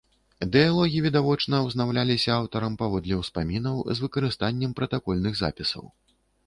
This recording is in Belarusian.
Дыялогі, відавочна, узнаўляліся аўтарам паводле ўспамінаў з выкарыстаннем пратакольных запісаў.